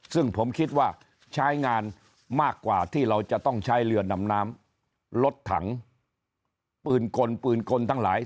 ซึ่งผมคิดว่าใช้งานมากกว่าที่เราจะต้องใช้เรือนำน้ำรถถังปืนกลปืนกลทั้งหลาย